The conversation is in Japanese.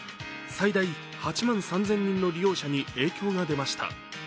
最大８万３０００人の利用者に影響が出ました。